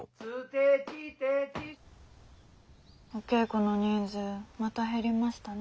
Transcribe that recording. お稽古の人数また減りましたね。